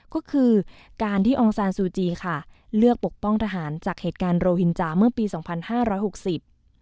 ก็คือการที่องซานซูจีค่ะเลือกปกป้องทหารจากเหตุการณ์โรหินจาเมื่อปีสองพันห้าร้อยหกสิบ